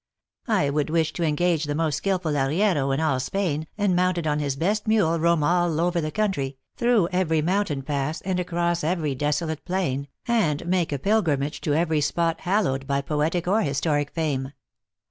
I would wish to engage the most skillful arriero in all Spain, and, mounted on his best mule, roam all over the country, through every mountain pass, and across every desolate plain, and make a pilgrimage to every spot hallowed by poetic or historic fame.